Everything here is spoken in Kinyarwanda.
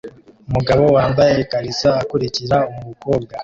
Umugabo wambaye ikariso akurikira umukobwa